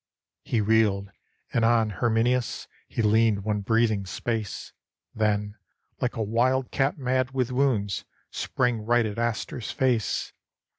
He reeled, and on Herminius He leaned one breathing space; Then, like a wild cat mad with wounds, Sprang right at Astur's face.